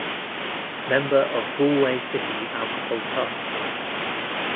Member of Galway City Alcohol Taskforce.